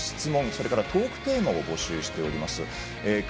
それからトークテーマを募集しています。